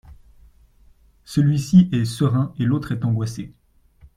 Celui-ci est serein et l’autre est angoissé.